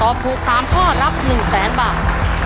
ตอบถูก๓ข้อรับ๑๐๐๐๐๐บาท